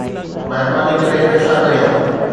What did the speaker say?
مھرباني ڪري پئسا ڳڻيو